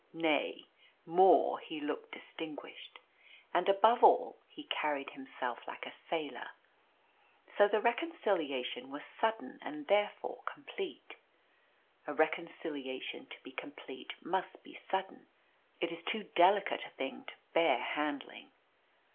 Nay, more, he looked distinguished. And above all, he carried himself like a sailor. So the reconciliation was sudden and therefore complete. A reconciliation to be complete must be sudden. It is too delicate a thing to bear handling.